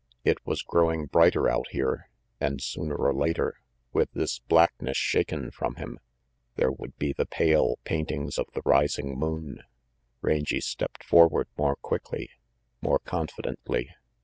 It was growing brighter out here, and sooner or later, with this blackness shaken from him, there would be the pale paintings of the rising moon, Rangy stepped forward more quickly, more con fidently.